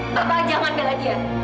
bapak jangan melihat dia